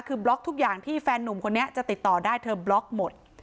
คือบล็อกทุกอย่างที่แฟนหนุ่มคนนี้จะติดต่อได้เธอบล็อกหมด